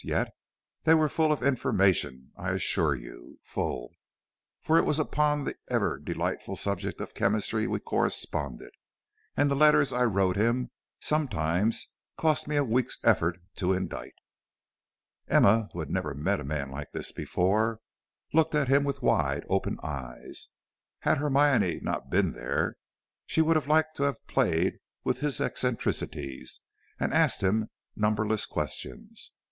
Yet they were full of information, I assure you; full, for it was upon the ever delightful subject of chemistry we corresponded, and the letters I wrote him sometimes cost me a week's effort to indite." Emma, who had never met a man like this before, looked at him with wide open eyes. Had Hermione not been there, she would have liked to have played with his eccentricities, and asked him numberless questions.